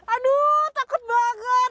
aduh takut banget